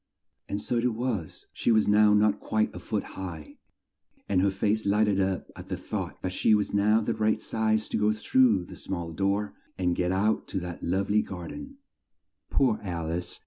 And so it was; she was now not quite a foot high, and her face light ed up at the thought that she was now the right size to go through the small door and get out to that love ly gar den. Poor Al ice!